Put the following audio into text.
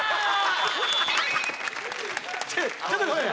ちょっとごめん。